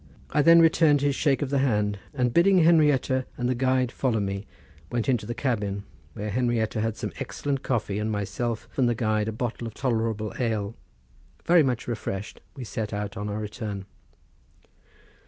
I then returned his shake of the hand; and bidding Henrietta and the guide follow me went into the cabin, where Henrietta had some excellent coffee and myself and the guide a bottle of tolerable ale; very much refreshed we set out on our return.